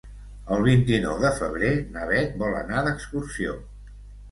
El vint-i-nou de febrer na Beth vol anar d'excursió.